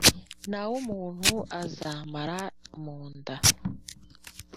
Na w umuntu azamara mu nda